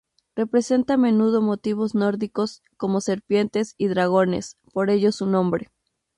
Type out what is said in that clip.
Representa a menudo motivos nórdicos, como serpientes y dragones, por ello su nombre.